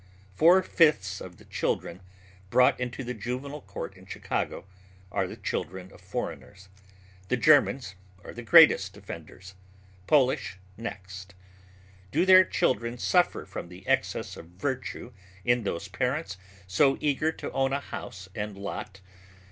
Four fifths of the children brought into the Juvenile Court in Chicago are the children of foreigners. The Germans are the greatest offenders, Polish next. Do their children suffer from the excess of virtue in those parents so eager to own a house and lot?